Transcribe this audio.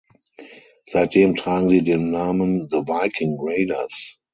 Seitdem tragen sie den Namen The Viking Raiders.